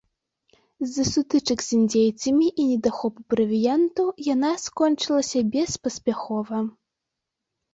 З-за сутычак з індзейцамі і недахопу правіянту яна скончылася беспаспяхова.